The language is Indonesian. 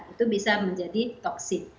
itu bisa menjadi toksik